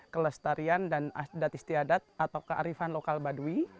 kelestarian dan adat istiadat atau kearifan lokal baduy